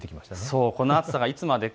この暑さがいつまでか。